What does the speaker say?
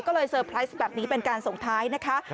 ก็เลยเตอร์ไพรส์แบบนี้เป็นการส่งท้ายนะคะ